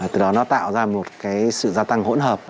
từ đó nó tạo ra một cái sự gia tăng hỗn hợp